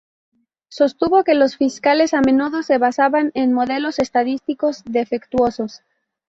Sostuvo que los fiscales a menudo se basaban en modelos estadísticos defectuosos.